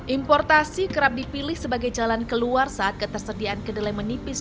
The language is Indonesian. importasi kerap dipilih sebagai jalan keluar saat ketersediaan kedelai menipis